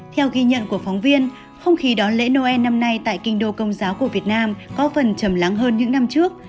theo ghi nhận của phóng viên không khí đón lễ noel năm nay tại kinh đô công giáo của việt nam có phần trầm lắng hơn những năm trước